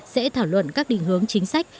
sẽ thảo luận các định hướng chính sách